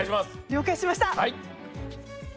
了解しました